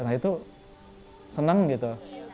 nah itu senang gitu